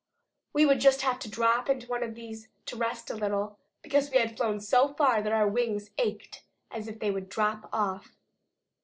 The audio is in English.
We would just have to drop into one of these to rest a little, because we had flown so far that our wings ached as if they would drop off.